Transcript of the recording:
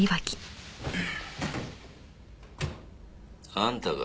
あんたか？